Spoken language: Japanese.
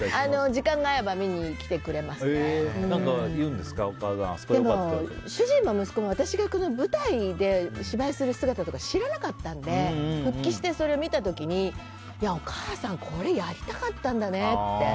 時間が合えば来てくれますけど主人も息子も私が舞台で芝居する姿を知らなかったので復帰して、それを見た時にお母さんこれやりたかったんだねって。